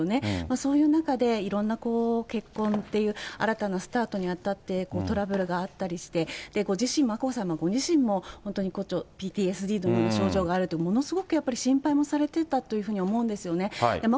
そういう中で、いろんな結婚っていう新たなスタートにあたって、トラブルがあったりして、眞子さまご自身も本当にＰＴＳＤの症状があると、ものすごくやっぱり心配をされていたというふうに思うんですよね。